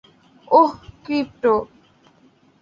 ওহ, crypto.